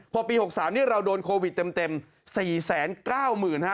พอปี๖๓นี้เราโดนโควิดเต็ม๔๙๐๐๐